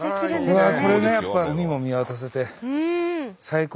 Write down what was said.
うわっこれねやっぱ海も見渡せて最高。